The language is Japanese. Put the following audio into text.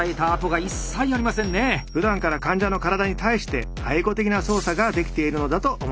ふだんから患者の体に対して愛護的な操作ができているのだと思います。